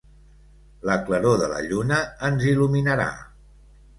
La claror de la lluna ens il·luminarà.